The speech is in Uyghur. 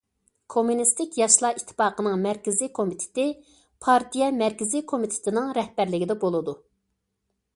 كوممۇنىستىك ياشلار ئىتتىپاقىنىڭ مەركىزىي كومىتېتى پارتىيە مەركىزىي كومىتېتىنىڭ رەھبەرلىكىدە بولىدۇ.